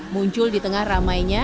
muncul di tengah ramainya